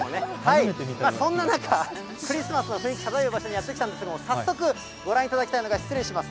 そんな中、クリスマスの雰囲気漂う場所にやって来たんですが、早速、ご覧いただきたいのが、失礼します。